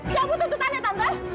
jambu tentu tante